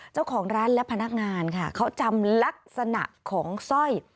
เจ้าของร้านและพนักงานค่ะเขาจำลักษณะของสร้อย